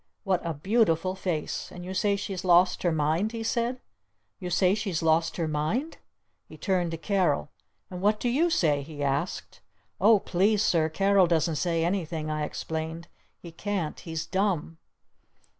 "What a beautiful face! And you say she's lost her mind?" he said. "You say she's lost her mind?" He turned to Carol. "And what do you say?" he asked. "Oh, please, Sir, Carol doesn't say anything!" I explained. "He can't! He's dumb!"